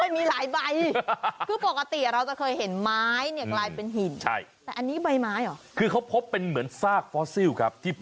มีหลายใบ